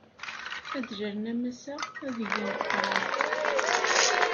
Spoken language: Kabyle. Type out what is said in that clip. Ad d-lalen am ass-a, ad egen leqṛaṛ.